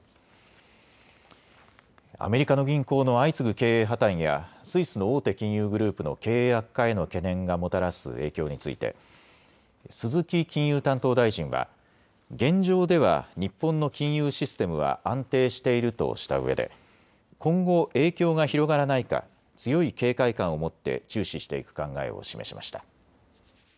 アメリカの銀行の相次ぐ経営破綻やスイスの大手金融グループの経営悪化への懸念がもたらす影響について鈴木金融担当大臣は現状では日本の金融システムは安定しているとしたうえで今後、影響が広がらないか強い警戒感を持って注視していく考えを示しました。